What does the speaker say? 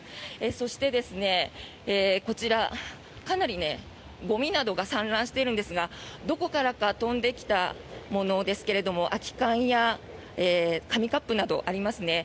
そしてこちら、かなりゴミなどが散乱しているんですがどこからか飛んできたものですが空き缶や紙カップなどがありますね。